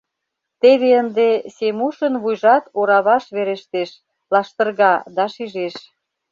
— Теве ынде Семушын вуйжат ораваш верештеш, лаштырга... да шижеш...